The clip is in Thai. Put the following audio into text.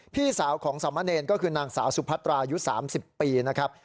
พี่สาวของสามะเนรก็คือนางสาวสุพัตราอายุ๓๐ปีนะครับ